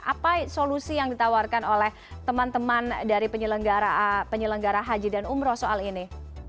apa solusi yang ditawarkan oleh teman teman dari penyelenggara haji dan umroh soal ini